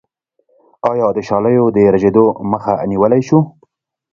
آیا د شالیو د رژیدو مخه نیولی شو؟